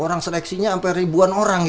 orang seleksinya sampai ribuan orang